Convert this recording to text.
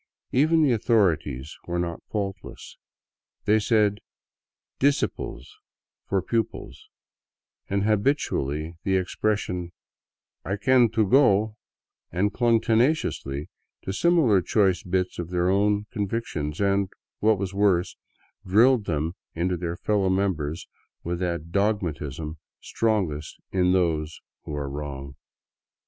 Even the au thorities were not faultless. They said " dissiples " for pupils, used habitually the expression " I can to go," and clung tenaciously to similar choice bits of their own convictions, and, what was worse, drilled them into their fellow members with that dogmatism strongest in those who are wrong.